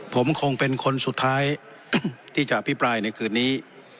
ผมคงเป็นคนสุดท้ายที่จะอภิปรายในคืนนี้